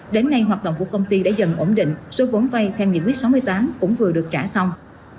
đến nay hoạt động của công ty đã dần ổn định số vốn vay theo nghị quyết sáu mươi tám cũng vừa được trả xong